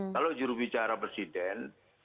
kalau jurubicara presiden